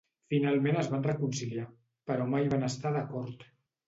Finalment es van reconciliar, però mai van estar d'acord.